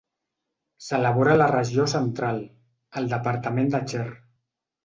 S'elabora a la regió central, al departament de Cher.